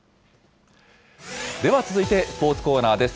では続いてスポーツコーナーです。